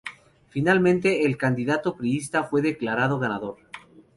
Finalmente, el candidato priísta fue declarado ganador.